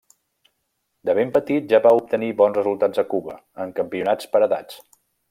De ben petit ja va obtenir bons resultats a Cuba, en campionats per edats.